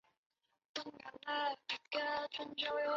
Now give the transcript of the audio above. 非洲金融共同体法郎最初与法国法郎挂钩。